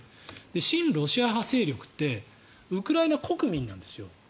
で、親ロシア派勢力ってウクライナ国民なんですよ。